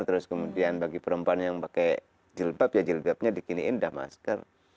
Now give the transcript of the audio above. terus kemudian bagi perempuan yang pakai jilbab ya jilbabnya di giniin sudah masker